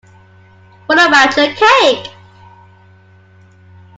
What about your cake?